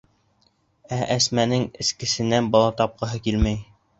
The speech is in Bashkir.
Ә Әсмәнең эскесенән бала тапҡыһы килмәй.